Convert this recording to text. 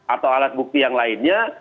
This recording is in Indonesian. atau alat bukti yang lainnya